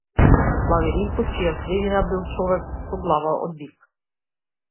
Лавиринтот чија средина бил човек со глава од бик.